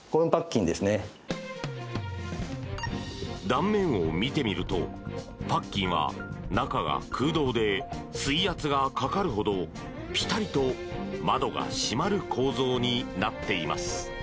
断面を見てみるとパッキンは中が空洞で水圧がかかるほどピタリと窓が閉まる構造になっています。